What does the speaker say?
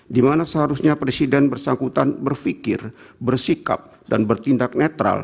dimana seharusnya presiden bersangkutan berpikir bersikap dan bertindak netral